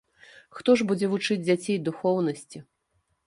Хто ж будзе вучыць дзяцей духоўнасці?